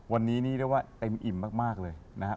วันนี้เรียกว่าเต็มอิ่มมากเลยนะฮะ